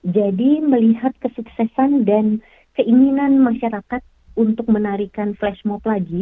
jadi melihat kesuksesan dan keinginan masyarakat untuk menarikan flash mob lagi